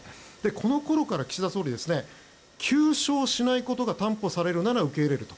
このころから、岸田総理は求償しないことが担保されるなら受け入れると。